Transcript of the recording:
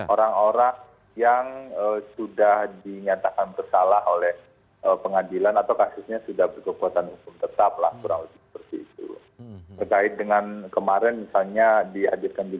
orang orang yang sudah dinyatakan bersalah oleh pengadilan atau kasusnya sudah berkekuatan hukum tetaplah kurang lebih seperti itu